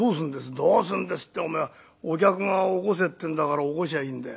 「どうするんですっておめえお客が起こせって言うんだから起こしゃいいんだよ。